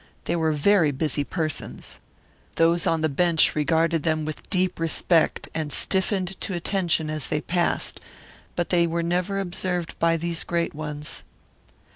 They were very busy persons. Those on the bench regarded them with deep respect and stiffened to attention as they passed, but they were never observed by these great ones.